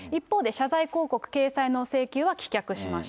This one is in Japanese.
一方で、謝罪広告掲載の請求は棄却しました。